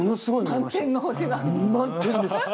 満天です！